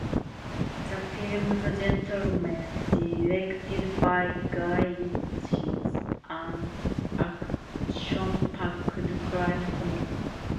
The film "The Gentlemen" directed by Guy Ritchie is an action-packed crime comedy.